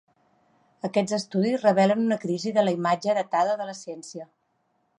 Aquests estudis revelen una crisi de la imatge heretada de la ciència.